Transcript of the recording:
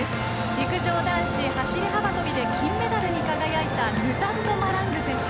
陸上男子走り幅跳びで金メダルに輝いたヌタンド・マラング選手。